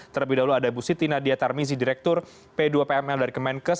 terlebih dahulu ada ibu siti nadia tarmizi direktur p dua pml dari kemenkes